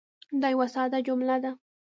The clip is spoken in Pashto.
دا یوه ساده جمله ده.